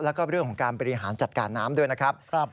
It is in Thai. แล้วก็เรื่องของการบริหารจัดการน้ำด้วยนะครับ